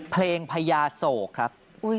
เพลงพญาโศกครับ